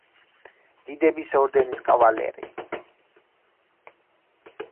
დიდების ორდენის კავალერი.